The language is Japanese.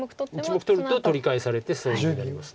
１目取ると取り返されてそういうふうになります。